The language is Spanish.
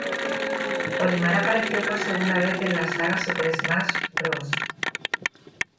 Olimar apareció por segunda vez en la saga Super Smash Bros.